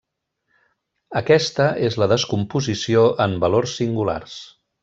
Aquesta és la descomposició en valors singulars.